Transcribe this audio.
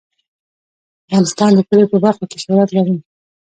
افغانستان د کلیو په برخه کې شهرت لري.